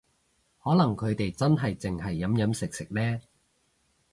可能佢哋真係淨係飲飲食食呢